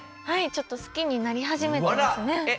はいちょっと好きになり始めてますね。